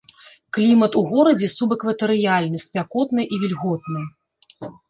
Клімат у горадзе субэкватарыяльны, спякотны і вільготны.